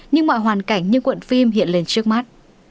nhưng mọi hoàn cảnh như cuộn phim hiện lên trước mắt